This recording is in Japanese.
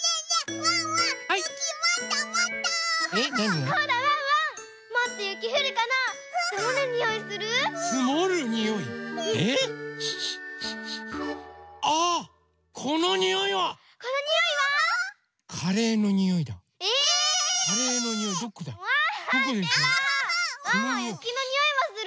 ワンワンゆきのにおいはする？